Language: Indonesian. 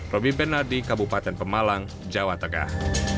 roby bernardi kabupaten pemalang jawa tengah